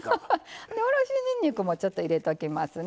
おろしにんにくもちょっと入れときますね。